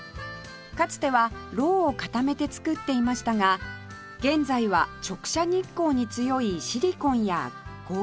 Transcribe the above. かつてはろうを固めて作っていましたが現在は直射日光に強いシリコンや合成樹脂を材料にしています